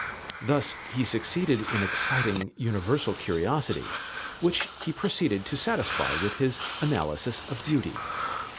Thus he succeeded in exciting universal curiosity, which he proceeded to satisfy with his "Analysis of Beauty."